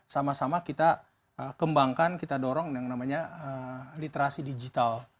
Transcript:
sama sama kita kembangkan kita dorong yang namanya literasi digital